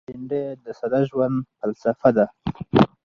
بېنډۍ د ساده ژوند فلسفه ده